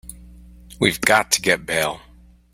We've got to get bail.